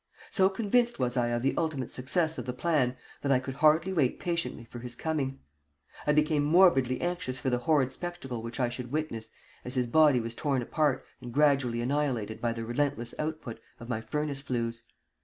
So convinced was I of the ultimate success of the plan that I could hardly wait patiently for his coming. I became morbidly anxious for the horrid spectacle which I should witness as his body was torn apart and gradually annihilated by the relentless output of my furnace flues.